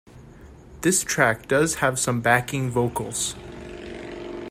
This track does have some backing vocals.